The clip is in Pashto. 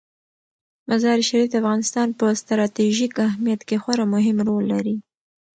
مزارشریف د افغانستان په ستراتیژیک اهمیت کې خورا مهم رول لري.